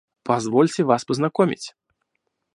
Позвольте вас познакомить.